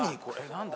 何だ？